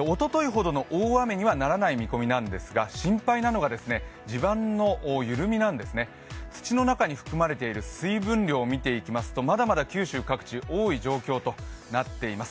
おとといほどの大雨にはならない見込みなんですが心配なのが地盤の緩みなんです、土の中に含まれている水分量見ていきますとまだまだ九州各地多い状況となっています。